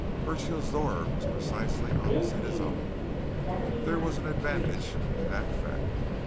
Burchill's door was precisely opposite his own; there was an advantage in that fact.